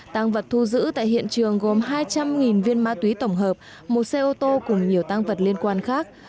tăng vật thu giữ tại hiện trường gồm hai trăm linh viên ma túy tổng hợp một xe ô tô cùng nhiều tăng vật liên quan khác